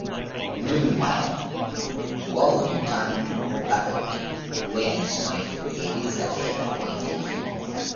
Meanwhile, Gould returned to Hobart, where his wife Elizabeth awaited him.